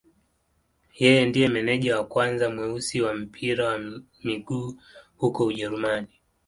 Yeye ndiye meneja wa kwanza mweusi wa mpira wa miguu huko Ujerumani.